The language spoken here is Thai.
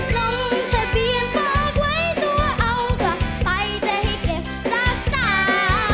ลงทะเบียนบอกไว้ตัวเอากลับไปจะให้เก็บรักษา